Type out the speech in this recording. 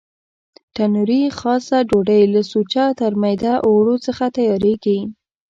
تنوري خاصه ډوډۍ له سوچه ترمیده اوړو څخه تیارېږي.